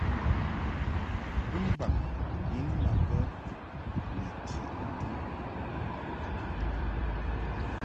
Mɨmbaŋ lin ma bə ni chiʼ ntɨm.